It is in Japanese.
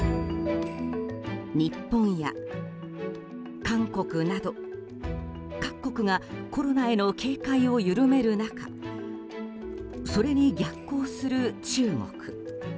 日本や韓国など各国がコロナへの警戒を緩める中それに逆行する中国。